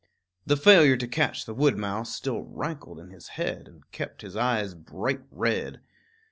The failure to catch the wood mouse still rankled in his head and kept his eyes bright red.